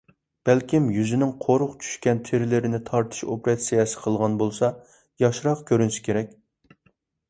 بەلكىم يۈزىنىڭ قورۇق چۈشكەن تېرىلىرىنى تارتىش ئوپېراتسىيەسى قىلغان بولسا ياشراق كۆرۈنسە كېرەك.